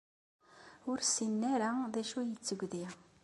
Ur ssinen ara d acu ay d tuggdi.